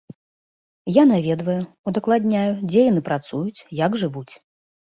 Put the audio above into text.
Я наведваю, удакладняю, дзе яны працуюць, як жывуць.